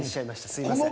すいません